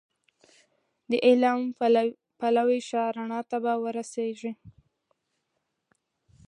د علم پلوی شه رڼا ته به ورسېږې